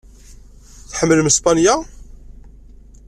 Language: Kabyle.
Tḥemmlem Spanya?